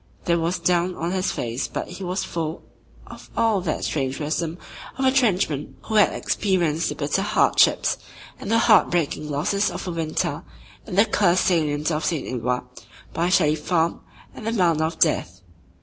There was down on his face but he was full of all that strange wisdom of a trenchman who had experienced the bitter hardships and the heartbreaking losses of a winter in the cursed salient of St. Eloi, by Shelley Farm and The Mound of Death.